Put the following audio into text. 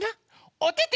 「おてて」